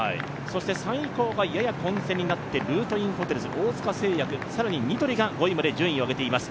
３位以降がやや混戦になってルートインホテルズ、大塚製薬、更にニトリが５位まで順位を上げています。